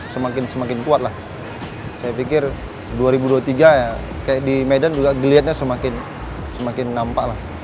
semakin semakin kuat lah saya pikir dua ribu dua puluh tiga ya kayak di medan juga geliatnya semakin semakin nampak lah